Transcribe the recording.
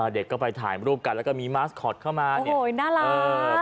เด็กก็ไปถ่ายรูปกันแล้วก็มีมาสคอตเข้ามาเนี่ยโอ้ยน่ารัก